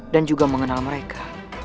dan juga mengenal mereka